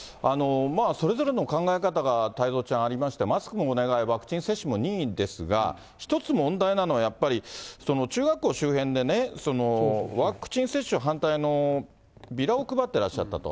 それぞれの考え方が太蔵ちゃん、ありまして、マスクもお願い、ワクチン接種も任意ですが、一つ問題なのはやっぱり中学校周辺でね、ワクチン接種反対のビラを配ってらっしゃったと。